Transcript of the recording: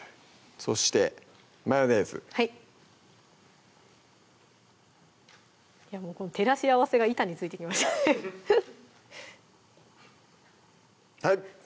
そしてマヨネーズはいいやもう照らし合わせが板についてきましたねはい！